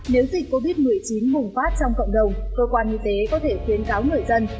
nếu dịch covid một mươi chín bùng phát trong cộng đồng cơ quan y tế có thể khuyến cáo người dân